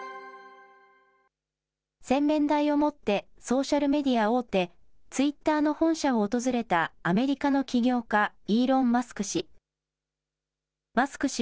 洗面台を持ってソーシャルメディア大手、ツイッターの本社を訪れたアメリカの起業家、イーロン・マスク氏。